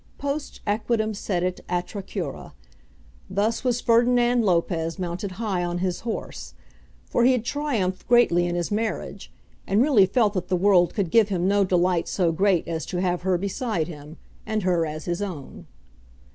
Post equitem sedet atra cura. Thus was Ferdinand Lopez mounted high on his horse, for he had triumphed greatly in his marriage, and really felt that the world could give him no delight so great as to have her beside him, and her as his own.